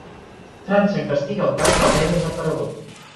França investiga el cas del nen desaparegut.